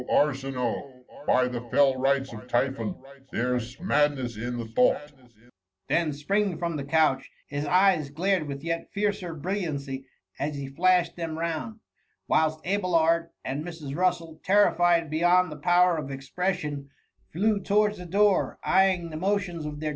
Arsinoe ! by the fell rites of Typhon, there ^s madness in the thought f Then springing from the couch, his eyes glared with yet fiercer brilliancy as he flashed them round, whilst Abelard and Mrs. Russel, terrified beyond the power of expression, flew towards the door, eyeing the motions of their SOO THE MUMMY.